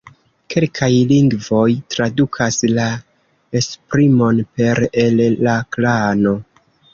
Kelkaj lingvoj tradukas la esprimon per "el la klano".